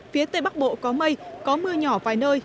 phía tây bắc bộ có mây có mưa nhỏ vài nơi